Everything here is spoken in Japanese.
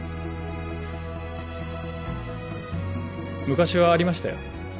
昔はありましたよ